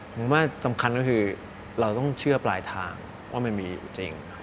ผมว่าสำคัญก็คือเราต้องเชื่อปลายทางว่ามันมีอยู่จริง